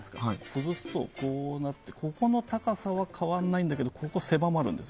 潰すと、ここの高さは変わらないんですけどここが狭まるんです。